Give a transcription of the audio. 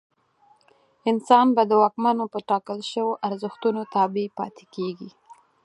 انسان به د واکمنو په ټاکل شویو ارزښتونو تابع پاتې کېږي.